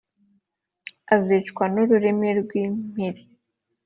azicwa n’ururimi rw’impiri